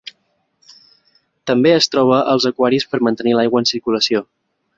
També es troba als aquaris per mantenir l'aigua en circulació.